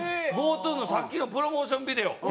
ＴＯのさっきのプロモーションビデオ。